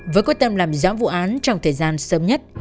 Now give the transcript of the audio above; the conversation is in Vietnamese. với quyết tâm làm rõ vụ án trong thời gian sớm nhất